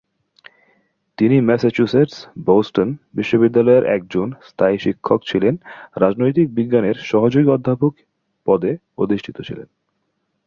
তিনি ম্যাসাচুসেটস-বোস্টন বিশ্ববিদ্যালয়ের একজন স্থায়ী শিক্ষক ছিলেন, রাজনৈতিক বিজ্ঞানের সহযোগী অধ্যাপক পদে অধিষ্ঠিত ছিলেন।